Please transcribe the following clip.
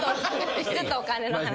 ずっとお金の話。